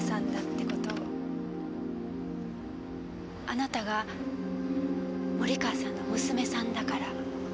あなたが森川さんの娘さんだから？